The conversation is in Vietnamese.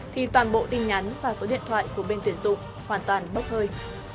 thì toàn bộ tin nhắn và số điện thoại của bên tuyển dụng hoàn toàn bốc hơi